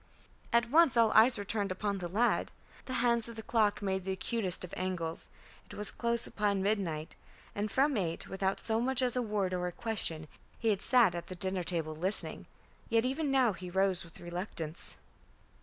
At once all eyes were turned upon the lad. The hands of the clock made the acutest of angles. It was close upon midnight; and from eight, without so much as a word or a question, he had sat at the dinner table listening. Yet even now he rose with reluctance.